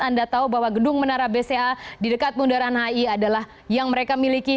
anda tahu bahwa gedung menara bca di dekat bundaran hi adalah yang mereka miliki